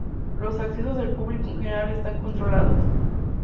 Los accesos del público en general están controlados.